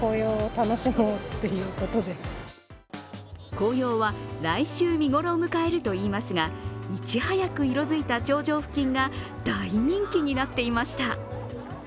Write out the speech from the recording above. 紅葉は来週見頃を迎えるといいますがいち早く色づいた頂上付近が大人気になっていました。